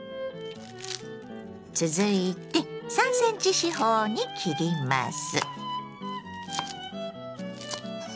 続いて３ｃｍ四方に切ります。